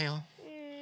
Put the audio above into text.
うん。